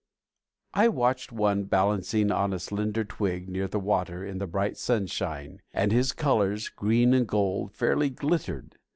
I watched one balancing on a slender twig near the water in the bright sunshine and his colors, green and gold, fairly glittered.